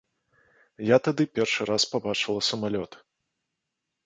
Я тады першы раз пабачыла самалёт.